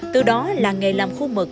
từ đó là nghề làm khu mực